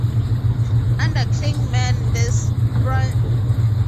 Under Klingemann the Braunschweiger theatre soon acquired a good reputation.